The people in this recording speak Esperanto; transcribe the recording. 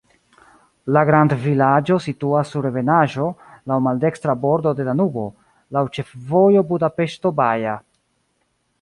La grandvilaĝo situas sur ebenaĵo, laŭ maldekstra bordo de Danubo, laŭ ĉefvojo Budapeŝto-Baja.